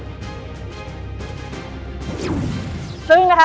วิวฟรียากชีวิต